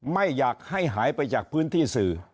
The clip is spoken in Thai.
ไม่อยากให้หายไปจากพื้นที่สื่อ